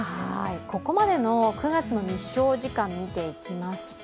ここまでの９月の日照時間を見ていきますと